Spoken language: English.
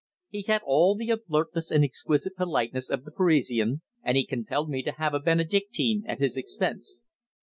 He had all the alertness and exquisite politeness of the Parisian, and he compelled me to have a Benedictine at his expense.